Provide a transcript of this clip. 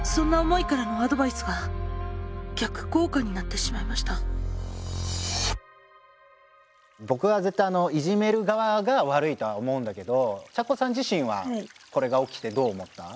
そんな思いからの僕は絶対イジメる側が悪いとは思うんだけどちゃこさん自身はこれが起きてどう思った？